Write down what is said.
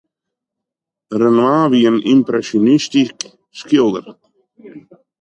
Renoir wie in ympresjonistysk skilder.